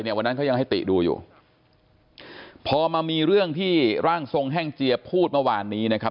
วันนั้นเขายังให้ติดูอยู่พอมามีเรื่องที่ร่างทรงแห้งเจียพูดเมื่อวานนี้นะครับ